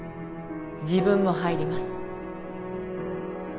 自分も入ります